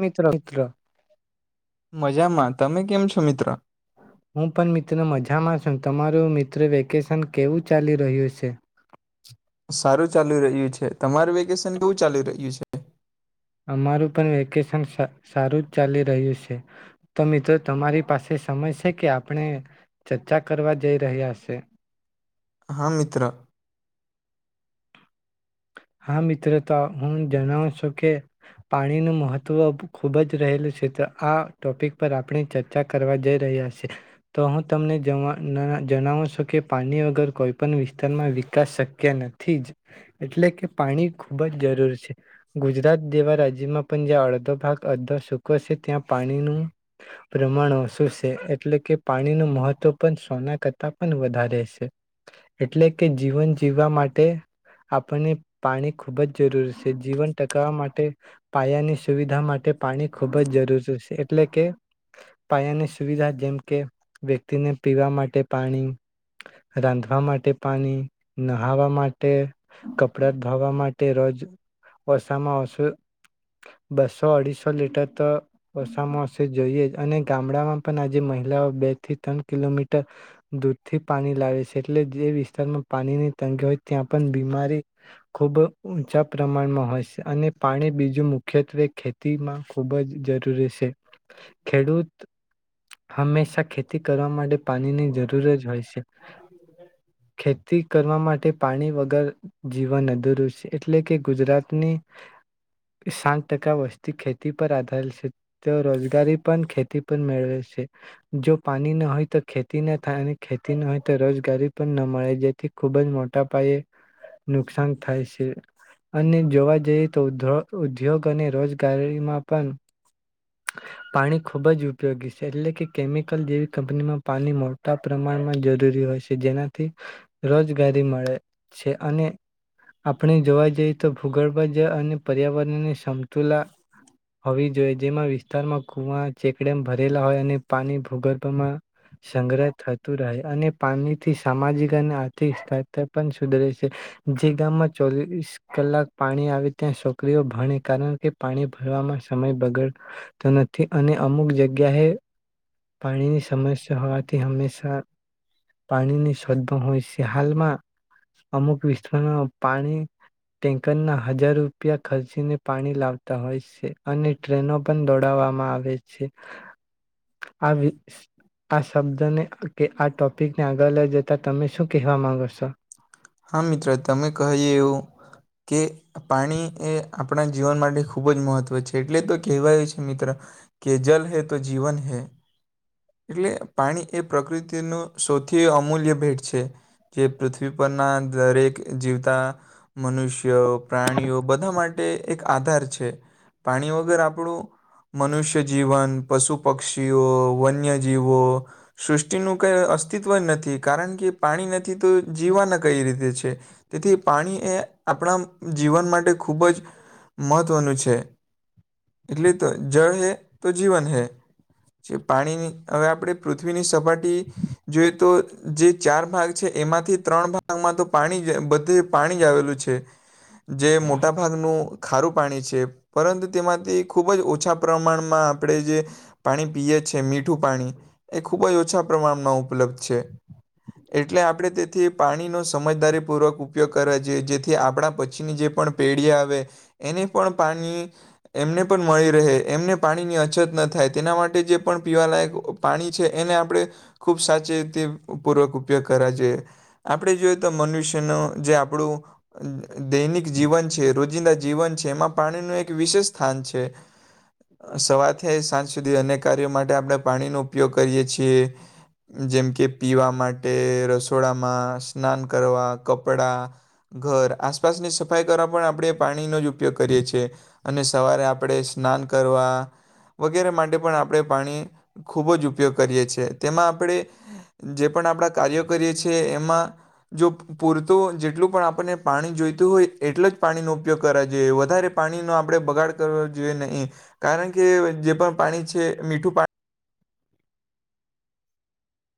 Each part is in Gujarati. મિત્ર મિત્ર. મજામાં, તમે કેમ છો? મિત્ર. હું પણ મિત્ર મજા માં છું. તમારું મિત્ર વેકેશન કેવું ચાલી રહ્યું છે? સારું ચાલુ રહ્યું છે, તમારું વેકેશન કેવું ચાલુ રહ્યું છે? અમારું પણ વેકેશન સારું જ ચાલી રહ્યું છે. તો મિત્રો તમારી પાસે સમય છે કે, આપણે ચર્ચા કરવા જઈ રહ્યા છે. હા, મિત્ર. હા મિત્ર તો હું જણાવું છું, કે પાણીનું મહત્વ ખુબ જ રહેલું છે, તો આ ટોપિક પર આપણે ચર્ચા કરવા જઈ રહ્યા છે. તો હું તમને જણાવું છું, કે પાણી વગર કોઈ પણ વિસ્તારમાં વિકાસ શક્ય ન. થી જ એટલે કે પાણી ખૂબ જ જરૂર છે, ગુજરાત જેવા રાજ્યમાં પણ જ્યાં અડધો ભાગ અડધો સૂકો છે, ત્યાં પાણીનું પ્રમાણ ઓછું સે, એટલે કે પાણીનું મહત્વ પણ સોના કરતા પણ વધારે સે. એટલે કે જીવન જીવવા માટે તે આપણને પાણી ખૂબ જ જરૂરી છે. જીવન ટકાવવા માટે પાયાની સુવિધા માટે પાણી ખૂબ જ જરૂરી છે, એટલે કે પાયાની સુવિધા જેમ કે, વ્યક્તિને પીવા માટે પાણી, રાંધવા માટે પાણી, નહાવા માટે. તે કપડાં ધોવા માટે, રોજ ઓસામાં ઓસો, બસ- સો અઢીસો લીટર તો, ઓછા માં ઓછી જોઈએ જ. અને ગામડામાં પણ આજે મહિલાઓ બે થી ત્રણ કિલોમીટર દૂરથી પાણી લાવે છે, એટલે જે વિસ્તારમાં પાણીની તંગી હોય. ત્યાં પણ બીમારી ખૂબ ઊંચા પ્રમાણમાં હોય છે, અને પાણી બીજું મુખ્યત્વે ખેતીમાં ખુબ જ જરૂરી છે. ખેડૂત, હંમેશા ખેતી કરવા માટે પાણીની જરૂર જ હોય સે. ખેતી કરવા માટે પાણી વગર જીવન અધૂરું છે. એટલે કે ગુજરાતની સાત ટકા વસ્તી ખેતી પર આધારે છે. તે રોજગારી પણ ખેતી પર મેળવે છે, જો પાણી ન હોય તો ખેતી ના થાય અને ખેતી ન હોય તો રોજગારી પણ ન મળે. જેથી ખૂબ જ મો ટા પાયે નુકસાન થાય છે. અને જોવા જઈએ તો ઉ ઉદ્યોગ અને રોજગારીમાં પણ પાણી ખૂબ જ ઉપયોગી છે. એટલે કે કેમિકલ જેવી કંપનીમાં પાણી મોટા પ્રમાણમાં જરૂરી હોય છે. જેનાથી રોજગારી મળે છે. અને આપણે જોવા જઈએ તો ભૂગર્ભ જ અને પર્યાવરણની સમતુલા [inaudible] જોઈએ જેમાં વિસ્તારમાં કુવા ચેકડેમ ભરેલા હોય અને પાણી ભૂગર્ભમાં સંગ્રહ થતું રહે, અને પાણીથી સામાજિક અને આર્થિક સ્ ત પણ સુધરે છે. જે ગામમાં ચોવીસ કલાક પાણી આવે ત્યાં છોકરીઓ ભણે કારણ કે પાણી ભરવામાં સમય બગડતો નથી. અને અમુક જગ્યાએ પાણીની સમસ્યા હોવાથી હંમેશા પાણીની [unintelligible] હાલમાં અમુક વિસ્ત પાણી ટેન્કરના હજાર રૂપિયા ખર્ચીને પાણી લાવતા હોય છે. અને ટ્રેનો પણ દોડવામાં આવે છે આ આ શબ્દને કે આ ટોપિકને આગળ લઈ જતા તમે શું કહેવા માંગો છો? હા મિત્ર તમે કહીએ એવું કે પાણી એ આપણા જીવન માટે ખૂબ જ મહત્વ છે. એટલે તો કહેવાય છે મિત્ર કે જલ હૈ તો જીવન હૈ, એટલે પાણી એ પ્રકૃતિનું સૌથી અમૂલ્ય ભેટ છે, જે પૃથ્વી ઉપરના દરેક જીવતા મનુષ્યો પ્રાણીઓ બધા માટે એક આધાર છે. પાણી વગર આપણું મનુષ્ય જીવન પશુ પક્ષીઓ વન્યજીવો સૃષ્ટિનું કઈ અસ્તિત્વ નથી. કારણ કે પાણી નથી તો જીવાના કઈ રીતે છે, તેથી પાણી એ આપણા જીવન માટે ખૂબ જ મહત્ત્વનું છે. એટલે તો જળ હૈ તો જીવન હૈ જે પાણી હવે આપણે પૃથ્વીની સપાટી જોઈએ તો જે ચાર ભાગ છે એમાંથી ત્રણ ભાગમાં તો પાણી બધું પાણી આવેલું છે. જે મોટા ભાગનું ખારું પાણી છે પરંતુ તેમાંથી ખૂબ જ ઓછા પ્રમાણમાં આપણે જે પાણી પીએ છીએ મીઠું પાણી એ ખૂબ જ ઓછા પ્રમાણમાં ઉપલબ્ધ છે એટલે આપણે તે થી પાણીનો સમજદારીપૂર્વક ઉપયોગ કર જોઈએ જેથી આપણા પછીની જે પણ પેઢી આવે એને પણ પાણી એમને પણ મળી રહે એમને પાણીની અછત ન થાય તેના માટે જે પણ પીવાલાયક પાણી છે એને આપણે ખૂબ સાચી રીતે પૂર્વક ઉપયોગ કરવા જોઈએ. આપણે જોઈએ તો મનુષ્યનું જે આપણું દૈનિક જીવન છે રોજિંદા જીવન છે એમાં પાણીનું એક વિશેષ સ્થાન છે સવારથી સાંજ સુધી અને્ય કાર્યો માટે આપણે પાણીનો ઉપયોગ કરીએ છીએ જેમ કે પીવા માટે રસોડા સ્નાન કરવા કપડા ઘર આસપાસની સફાઈ કરવા પણ આપણે પાણીનો જ ઉપયોગ કરીએ છીએ અને સવારે આપણે સ્નાન કરવા વગેરે માટે પણ આપણે પાણી ખૂબ જ ઉપયોગ કરીએ છીએ તેમાં આપણે જે પણ આપણા કાર્યો કરીએ છ છે એમાં જો પૂરતું જેટલું પણ આપણને પાણી જોઈતું હોય એટલ જ પાણીનો ઉપયોગ કરાય. જે વધારે પાણી નો આપડે બગાડ કરવો જોઈએ નહી, કારણ કે જે પણ પાણી છે મીઠું પાણ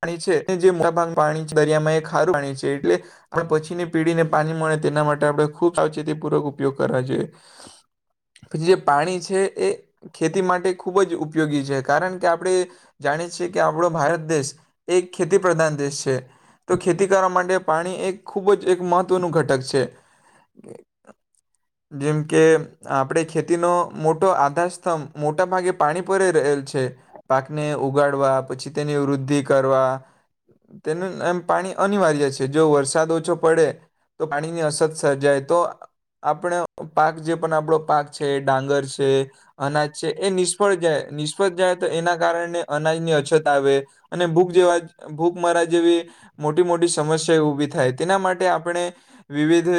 પાણી છે તે જે મા પાણી દરિયામાં એક ખારું પાણી છે એટલે આપણે પછીને પીડીને પાણી મળે તેના માટે આપણે ખૂબ સાવચેતી પૂર્વક ઉપયોગ કરવા જોઈએ. જે પાણી છે એ ખેતી માટે ખૂબ જ ઉપયોગી છે કારણ કે આપણે જાણી છી કે આપણો ભારત દેશ એક ખેતી પ્રધાન દેશ છે, તો ખેતી કરવા માટે પાણી એક ખૂબ જ એક મહત્વનું ઘટક છે, જેમ કે આપણે ખેતીનો મોટો આધારસ્તંભ મોટા ભાગે પાણી પર અહ રહેલ છે. પાકને ઉગાડવા પછી તેની વૃદ્ધિ કરવા તેને એમ પાણી અનિવાર્ય છે જો વરસાદ ઓછો પડે તો પાણીની અછત સર્જાય તો આપણે પાક જે પણ આપણો પાક છે, ડાંગર છે, અનાજ છે, એ નિષ્ફળ જાય, નિષ્ફળ જાય તો એના કારણે અનાજની અછત આવે. અને ભૂખ જેવા ભૂખ મરા જેવી મોટી-મોટી સમસ્યાઓ ઊભી થાય તેના માટે આપણે વિવિધ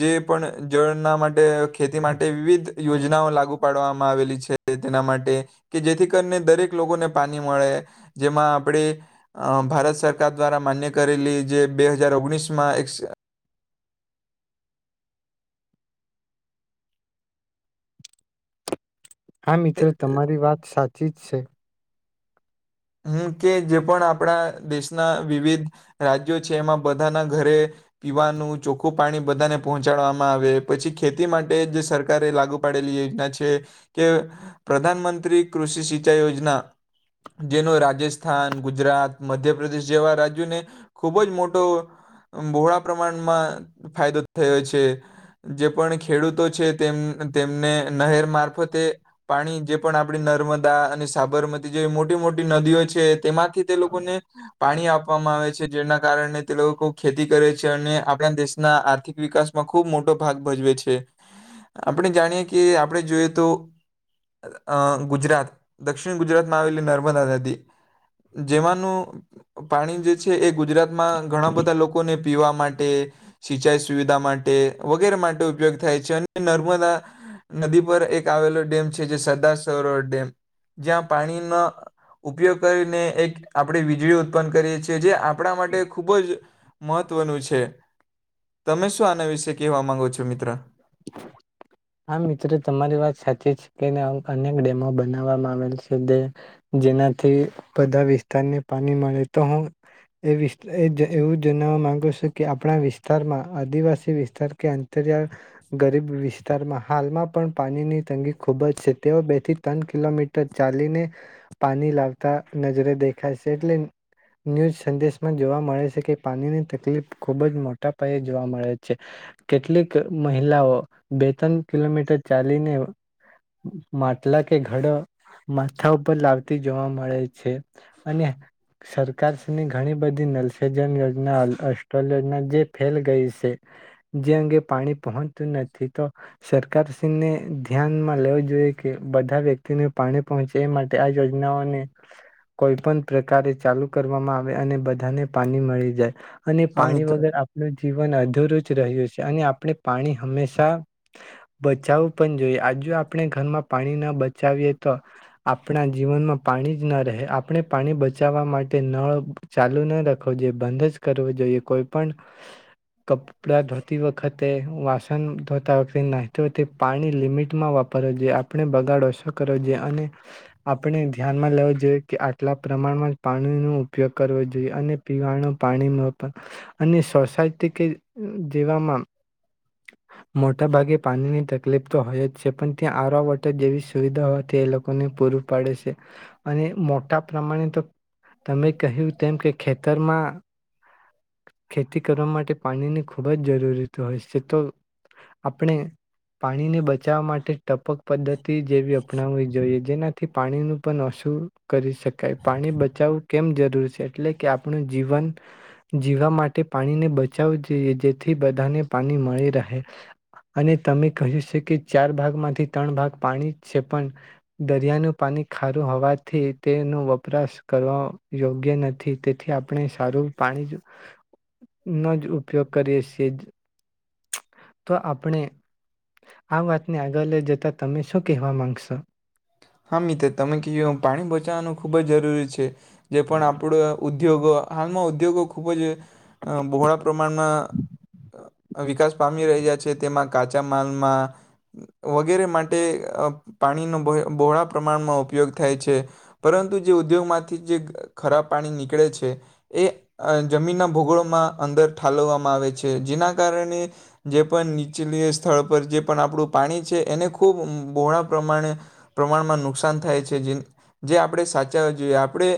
જે પણ જળના માટે ખેતી માટે વિવિધ યોજનાઓ લાગુ પાડવા માં આવેલી છે તેના માટે કે જેથી કરીને દરેક લોકોને પાણી મળે. જેમાં આપણે અહ ભારત સરકાર દ્વારા માન્ય કરેલી જે બે હજાર ઓગણીસમાં એક હા મિત્ર તમારી વાત સાચી જ છે. હમ્મ કે જે પણ આપણા દેશના વિવિધ રાજ્યો છે, એમાં બધાના ઘરે પીવાનું ચોખ્ખું પાણી બધાને પહોંચાડવામાં આવે, પછી ખેતી માટે જે સરકારે લાગુ પાડેલી યોજના છે તે પ્રધાનમંત્રી કૃષિ સિંચાઈ યોજના જેનો રાજસ્થાન, ગુજરાત, મધ્યપ્રદેશ જેવા રાજ્યોને ખૂબ જ મોટો બહોળા પ્રમાણમાં ફાયદો થયો છે. જે પણ ખેડૂતો છે તેમ તેમને નહેર મારફતે પાણી જે પણ આપડી નર્મદા અને સાબરમતી જેવી મો મોટી-મોટી નદીઓ છે તેમાંથી તે લોકોને પાણી આપવામાં આવે છે જેના કારણે તે લોકો ખૂબ ખેતી કરે છે અને આપણા દેશના આર્થિક વિકાસમાં ખૂબ મોટો ભાગ ભજવે છે. આપણે જાણીએ કે આપણે જોઈએ તો અહ ગુજરાત દક્ષિણ ગુજરાતમાં આવેલી નર મદા નદી જેમાંનું પાણી જે છે એ ગુજરાતમાં ઘણા બધા લોકોને પીવા માટે સિંચાઈ સુવિધા માટે વગેરે માટે ઉપયોગ થાય છે અને નર્મદા નદી પર એક આવેલો ડેમ છે જે સરદાર સરોવર ડેમ જ્યાં પાણીનો ઉપયોગ કરીને એક આપણે વીજળી ઉત્પન્ન કરીએ છીએ જે આપણા માટે ખૂબ જ મહત્વનું છે તમે શું આના વિશે કહેવા માંગો છો મિત્ર હા મિત્રો તમારી વાત સાચી છે. અનેક ડેમો બનાવવામાં આવેલ છે જેનાથી બધા વિસ્તારને પાણી મળે તો હું એ એવું જણાવવા માંગુ છું કે આપણા વિસ્તારમાં આદિવાસી વિસ્તાર કે અત ગરીબ વિસ્તારમાં હાલમાં પણ પાણીની તંગી ખુબ જ છે તેઓ બે થી ત્રણ કિલોમીટર ચાલીને પાણી લાવતા નજરે દેખા છે એટલે ન્યૂઝ સંદેશમાં જોવા મળે છે કે પાણીની તકલીફ ખુબ જ મોટા પાયે જોવા મળે છે. કેટલીક મહિલાઓ બે ત્રણ કિલોમીટર ચાલીને માટલા કે ઘડ માથા ઉપર લાવતી જોવા મળે છે અને સરકારની ઘણી બધી નલસજન યોજના અલ યોજના જે ફેલ ગઈ છે. જે અંગે પાણી પહોંચતું નથી તો સરકારશ્રીને ધ્યાનમાં લેવું જોઈએ કે બધા વ્યક્તિને પાણી પહોંચે એ માટે આ યોજનાઓને કોઈ પણ પ્રકારે ચાલુ કરવામાં આવે અને બધાને પાણી મળી જાય. અને હા પાણી મિત્ર વગર આપણું જીવન અધુરુંજ રહ્યું છે. આપણે પાણી હંમેશા બચાવવું પણ જોઈએ આજુ આપણે ઘરમાં પાણી ના બચાવીએ તો આપણા જીવનમાં પાણી જ ના રહે આપણે પાણી બચાવવા માટે નળ ચાલુ ના રાખવો જોઈએ બંધ જ કરવો જોઈએ કોઈ પણ કપડા તી વખતે વાસણ ધોતા વખતે નાહતો વખતે પાણી લિમિટમાં વાપરવું જોઈએ આપણે બગાડ ઓછો કરવો જોઈએ અને આપણે ધ્યાનમાં લેવો જોઈએ કે આટલા પ્રમાણમાં જ પાણીનો ઉપયોગ કરવો જોઈએ અને પીવાનું પાણીમાં અને સોસાયટી કે દિવમન મોટાભાગે પાણીની તકલીફ તો હોય જ છે પણ ત્યાં આવા વોટર જેવી સુવિધા હોયથી એ લોકોને પૂરું પાડે છે અને મોટા પ્રમાણે તો તમે કહ્યું તેમ કે ખેતરમાં ખેતી કરવા માટે પાણીની ખૂબ જ જરૂરત હોય છે તો આપણે પાણીને બચાવવા માટે ટપક પદ્ધતિ જેવી અપનાવવી જોઈએ જેનાથી પાણીનું પણ ઓશું કરી શકાય પાણી બચાવવું કેમ જરૂરી છે એટલે કે આપણું જીવન જીવા માટે પાણીને બચાવું જોઈએ જેથી બધાને પાણી મળી રહે અને તમે કહ્યું છે કે ચાર ભાગમાંથી ત્રણ ભાગ પાણી જ છે પણ દરિયાનું પાણી ખારું હોવાથી તેનો વપરાશ કરો યોગ્ય નથી તેથી આપણે સારું પાણી હ. નો જ ઉપયોગ કરીએ છીએ જ. તો આપણે આ વાતને આગળ લઈ જતા તમે શું કહેવા માંગશો. હા મિત્ર તમે કહી્યું પાણી બચાવવાનું ખૂબ જ જરૂરી છે જે પણ આપણ ઉદ્યોગો હાલમાં ઉદ્યોગો ખૂબ જ બોળા પ્રમાણમાં વિકાસ પામી રહ્યા છે તેમાં કાચા માલમાં વગેરે માટે પાણીનો બહોળા પ્રમાણમાં ઉપયોગ થાય છે પરંતુ જે ઉદ્યોગમાંથી જે ખરાબ પાણી નીકળે છે એ જમીનના ભૂગોળમાં અંદર ઠાલવવામાં આવે છે જેના કારણે જે પણ નીચલી સ્થળ પર જે પણ આપણું પાણી છે એને ખૂબ બહોળા પ્રમાણે પ્રમાણમાં નુકસાન થાય છે જે જે આપણે સાચવવા જોઈએ આપણે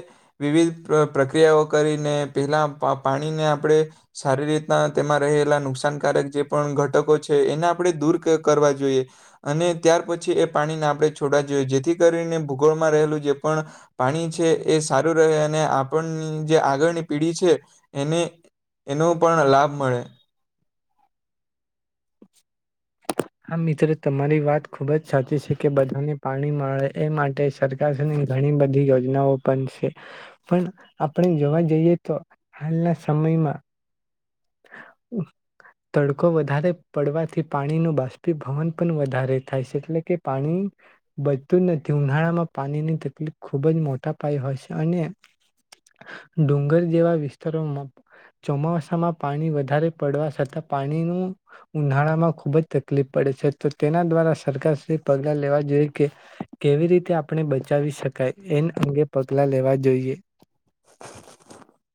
વિવિધ પ્રક્રિયાઓ કરીને પહેલાં પા પાણીને આપણે સારી રીતના તેમાં રહેલા નુકસાનકારક જે પણ ઘટકો છે એને આપણે દૂર કરવા જોઈએ અને ત્યાર પછી એ પાણીને આપણે છોડ જોઈએ જેથી કરીને ભૂગોળમાં રહેલું જે પણ પાણી છે એ સારું રહે અને આપણની જે આગળની પીઢી છે એને એનો પણ લાભ મળે. હા મિત્રો તમારી વાત ખુબ જ સાચી છે કે બધાને પાણી મળે એ માટે સરકાર ઘણી બધી યોજનાઓ પણ છે પણ આપણે જોવા જઈએ તો હાલના સમયમાં તડકો વધારે પડવાથી પાણીનું બાષ્પીભવન પણ વધારે થાય છે એટલે કે પાણી બચતું નથી ઉનાળામાં પાણીની તકલીફ ખુબ જ મોટા પાય હોય છે અને ડુંગર જેવા વિસ્તારોમાં ચોમાસામાં પાણી વધારે પડવા છતાં પાણીનું ઉનાળામાં ખુબ જ તકલીફ પડે છે તો તેના દ્વારા સરકાર પગલા લેવા જોઈએ કે કેવી રીતે આપણે બચાવી શકાય એ અંગે પગલા લેવા જોઈએ.